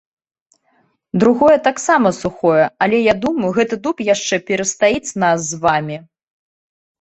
Другое таксама сухое, але я думаю, гэты дуб яшчэ перастаіць нас з вамі.